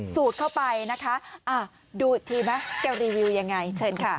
สูดเข้าไปนะคะดูอีกทีไหมจะรีวิวยังไงเชิญค่ะ